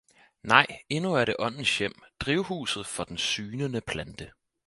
– nej, endnu er det åndens hjem, drivhuset for den sygnende plante!